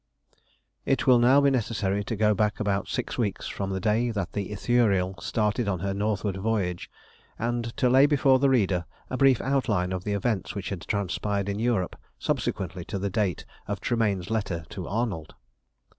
It will now be necessary to go back about six weeks from the day that the Ithuriel started on her northward voyage, and to lay before the reader a brief outline of the events which had transpired in Europe subsequently to the date of Tremayne's letter to Arnold.